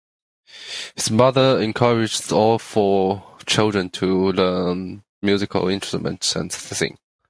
His mother encouraged all four children to learn musical instruments and sing.